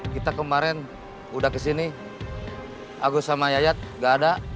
kita kemarin udah kesini agus sama yayat gak ada